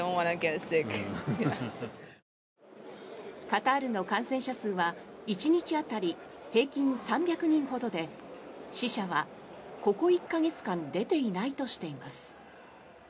カタールの感染者数は１日当たり平均３００人ほどで死者はここ１か月間出ていないとしています。